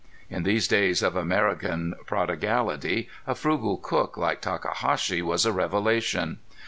In these days of American prodigality a frugal cook like Takahashi was a revelation.